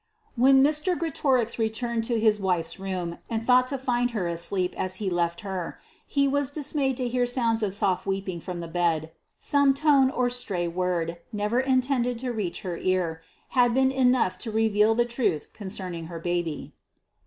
When Mr. Greatorex returned to his wife's room, and thought to find her asleep as he had left her, he was dismayed to hear sounds of soft weeping from the bed. Some tone or stray word, never intended to reach her ear, had been enough to reveal the truth concerning her baby.